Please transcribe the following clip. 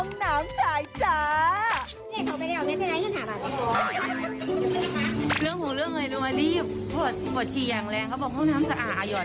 ปล่าวจะลืมเบิร์งอุ๊ยนั้นมันห้องน้ำใช่จ๊ะ